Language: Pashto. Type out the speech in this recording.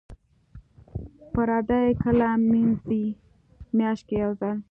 پردې کله مینځئ؟ میاشت کې یوځل